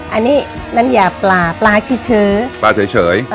อันนี้น้ำยาปลาปลาเฉย